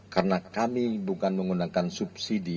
karena kami bukan menggunakan subsidi